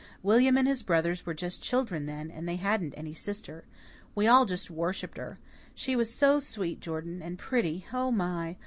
William and his brothers were just children then, and they hadn't any sister. We all just worshipped her. She was so sweet, Jordan. And pretty, oh my!